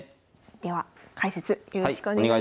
では解説よろしくお願いします。